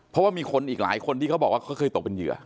เพราะว่ามีคนอีกหลายคนที่เขาบอกว่าเขาเคยตกเป็นเหยื่อ